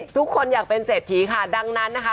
ทุกคนอยากเป็นเศรษฐีค่ะดังนั้นนะคะ